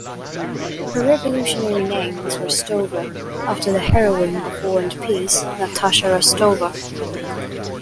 Her revolutionary name was Rostova, after the heroine of "War and Peace", Natasha Rostova.